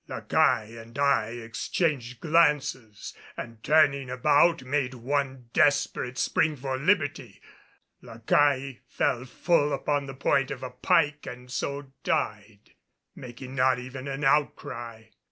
La Caille and I exchanged glances and turning about made one desperate spring for liberty. La Caille fell full upon the point of a pike and so died, making not even an outcry.